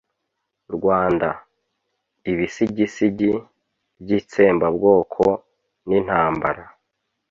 rwanda: ibisigisigi by'itsembabwoko n'intambara